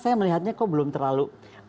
saya melihatnya kok belum terlalu